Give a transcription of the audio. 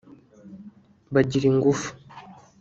bagira ingufu